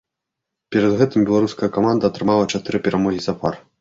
Перад гэтым беларуская каманда атрымала чатыры перамогі запар.